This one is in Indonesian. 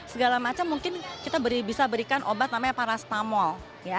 segala macam mungkin kita bisa berikan obat namanya parastamol